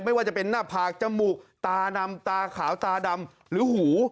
ไม่ว่าจะเป็นหน้าผากจมูกตาดำตาขาวตาดำหรือหู